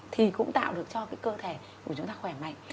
thì cũng tạo được cho cái cơ thể của chúng ta khỏe mạnh